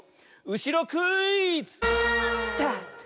うしろクイズ！スタート。